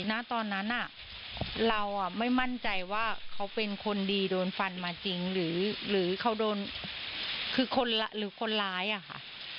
ณตอนนั้นเราไม่มั่นใจว่าเขาเป็นคนดีโดนฟันมาจริงหรือเขาโดนคือคนหรือคนร้ายอะค่ะ